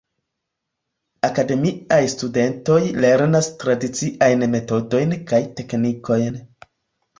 Akademiaj studentoj lernas tradiciajn metodojn kaj teknikojn.